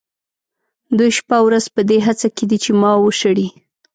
دوی شپه او ورځ په دې هڅه کې دي چې ما وشړي.